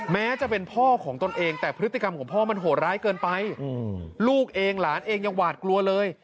แม้จะเป็นพ่อของตนเองแต่พฤติกรรมของพ่อมันโหดร้ายเกินไปลูกเองหลานเองยังหวาดกลัวเลย